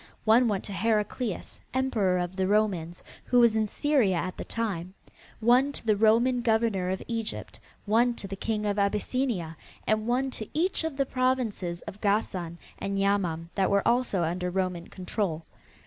One went to Heraclius, Emperor of the Romans, who was in Syria at the time; one to the Roman Governor of Egypt, one to the King of Abyssinia and one to each of the provinces of Gassan and Yamam that were also under Roman control.